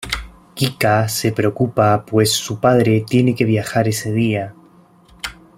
Kika se preocupa, pues su padre tiene que viajar ese día.